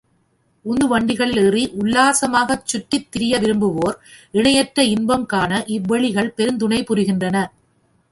உந்துவண்டிகளில் ஏறி உல்லாசமாகச் சுற்றித் திரிய விரும்புவோர், இணையற்ற இன்பம் காண இவ்வெளிகள் பெருந்துணை புரிகின்றன.